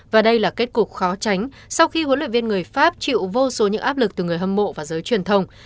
và đây là kết cục khó tránh sau khi huấn luyện viên người pháp chịu vô số những áp lực từ người hâm mộ và giới truyền thông